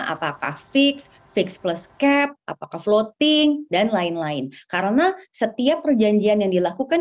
apakah fix fix plus cap apakah floating dan lain lain karena setiap perjanjian yang dilakukan